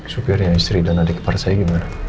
supirnya istri dan adik kepar saya gimana